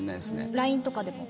ＬＩＮＥとかでも？